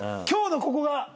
今日のここが。